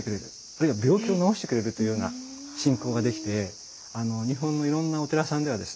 あるいは病気を治してくれるというような信仰ができて日本のいろんなお寺さんではですね